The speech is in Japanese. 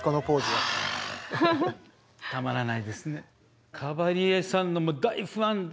はぁたまらないですね。